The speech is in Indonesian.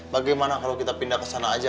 bagaimana kalau kita pindah ke sana aja